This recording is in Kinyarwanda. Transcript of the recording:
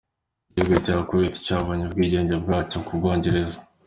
Igihugu cya Kuwait cyabonye ubwigenge bwacyo ku Bwongereza.